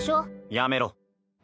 やめろ。